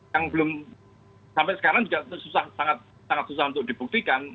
yang belum sampai sekarang juga sangat susah untuk dibuktikan